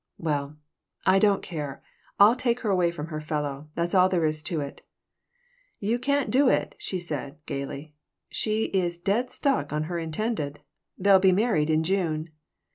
"Well, I don't care. I'll take her away from her fellow. That's all there is to it." "You can't do it," she said, gaily. "She is dead stuck on her intended. They'll be married in June."